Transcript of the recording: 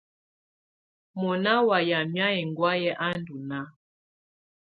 Mɔnà wa yamɛ̀á ɛŋgɔ̀áyɛ̀ à ndù nàà.